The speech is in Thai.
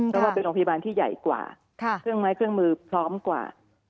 เพราะว่าเป็นโรงพยาบาลที่ใหญ่กว่าเครื่องไม้เครื่องมือพร้อมกว่า